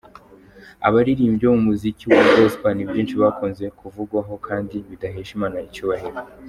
Abaririmbyi bo mu muziki wa gospel, ni byinshi bakunze kuvugwaho kandi bidahesha Imana icyubahiro.